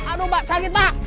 aduh mbak sakit mbak